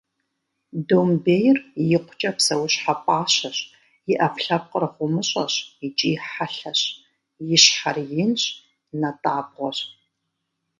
Домбейр икъукӏэ псэущхьэ пӏащэщ, и ӏэпкълъэпкъыр гъумыщӏэщ икӏи хьэлъэщ, и щхьэр инщ, натӏабгъуэщ.